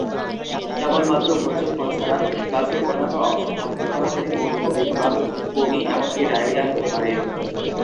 কেবলমাত্র ভোজ্য ফল ছাড়া গাছের অন্যান্য অংশ ভক্ষণ করা হলে বমি বমি ভাব, বমি, এমনকি ডায়রিয়া হতে পারে।